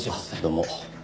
どうも。